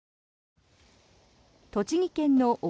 栃木県の奥